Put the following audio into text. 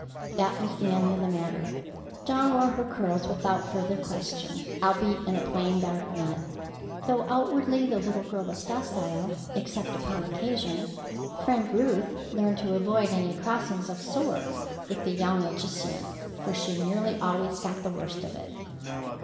That was the end of the matter. Dawn wore her curls without further question, albeit in a plain, dark net. Though outwardly the little girl was docile, except upon occasion, Friend Ruth learned to avoid any crossing of swords with the young logician, for she nearly always got the worst of it.